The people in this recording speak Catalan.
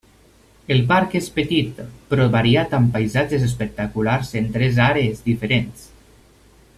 El parc és petit però variat amb paisatges espectaculars en tres àrees diferents.